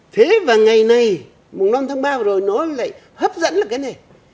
thế và ngày này mùng năm tháng ba rồi nó lại hấp dẫn là cái này